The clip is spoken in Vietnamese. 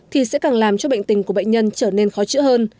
thì sẽ càng làm cho bệnh tình của bệnh nhân trở nên khó chữa hơn